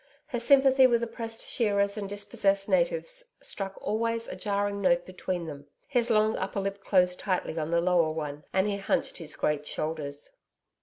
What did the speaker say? Her sympathy with oppressed shearers and dispossessed natives struck always a jarring note between them. His long upper lip closed tightly on the lower one, and he hunched his great shoulders.